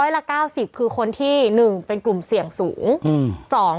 ละ๙๐คือคนที่๑เป็นกลุ่มเสี่ยงสูง